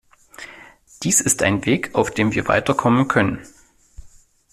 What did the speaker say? Dies ist ein Weg, auf dem wir weiter kommen können.